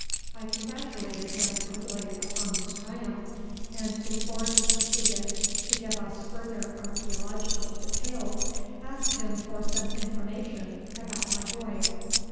I congratulated him heartily upon this triumph, and before he proceeded to give us further archæological details, asked him for some information about my boy.